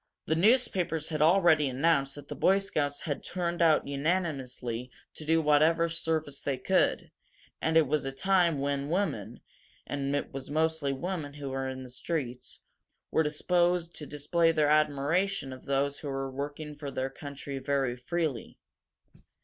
The newspapers had already announced that the Boy Scouts had turned out unanimously to do whatever service they could, and it was a time when women and it was mostly women who were in the streets were disposed to display their admiration of those who were working for the country very freely.